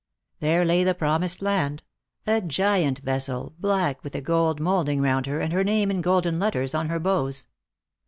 There lay the Promised Land — a giant vessel, black, with a gold moulding round her, and her name in golden letters on her bows.